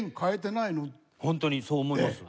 ホントにそう思います。